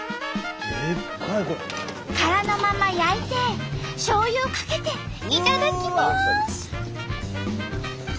殻のまま焼いてしょうゆをかけていただきます！